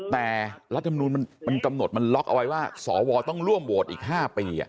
แต่รัฐมนุนมันกำหนดมันล็อกเอาไว้ว่าสวต้องร่วมโหวตอีก๕ปี